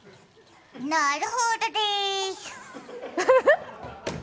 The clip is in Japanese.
なるほどです。